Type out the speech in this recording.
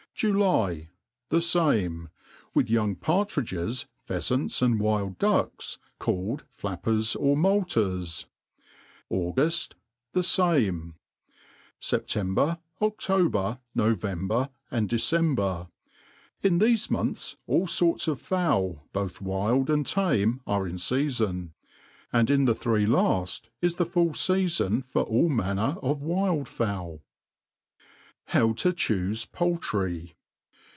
July. The fame; wit)i young partridges, pheafants, and wild ducks, called flappers or moulters. Auguft. The fame. September, Oftober, November, and December. In thefe months all forts of fowl, both wild and tame, are in feafon ; and in the three lad is the full feafon for all manner of . wild>* fowl* How to chufe POULTRY.